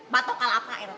batok kalapa irah